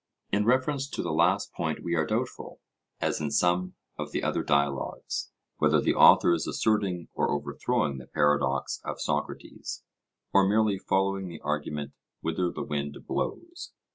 In reference to the last point we are doubtful, as in some of the other dialogues, whether the author is asserting or overthrowing the paradox of Socrates, or merely following the argument 'whither the wind blows.'